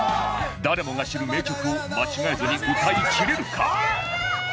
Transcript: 誰もが知る名曲を間違えずに歌いきれるか？